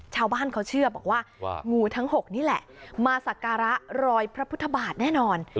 ชาวบ้านเขาเชื่อบอกว่างูทั้ง๖นี่แหละมาสักการะรอยพระพุทธบาทแน่นอน